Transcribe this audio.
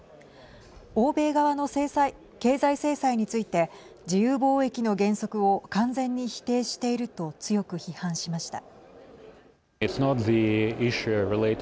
欧米側の経済制裁について自由貿易の原則を完全に否定していると強く批判しました。